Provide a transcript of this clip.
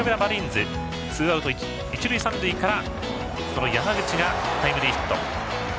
ツーアウト、一塁三塁から山口がタイムリーヒット。